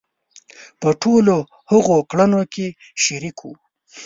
په ټولو هغو کړنو کې شریک وو.